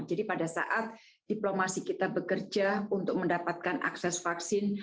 jadi pada saat diplomasi kita bekerja untuk mendapatkan akses vaksin